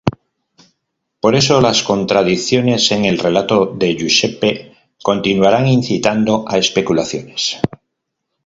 Por eso, las contradicciones en el relato de Jusepe continuarán incitando a especulaciones.